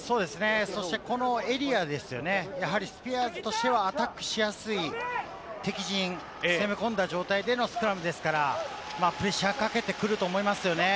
そして、このエリアですよね、スピアーズとしてはアタックしやすい敵陣、攻め込んだ状態でのスクラムですから、プレッシャーかけてくると思いますよね。